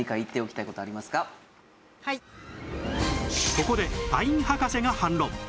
ここでパイン博士が反論